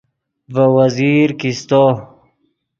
ڤے وزیر کیستو